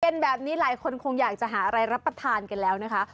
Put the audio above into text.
แบบนี้หลายคนคงอยากจะหาอะไรรับประทานกันแล้วนะคะ